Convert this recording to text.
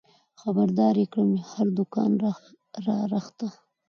خبر دار يې کړم د هر دوکان له رخته